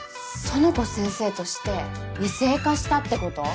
苑子先生として異性化したってこと？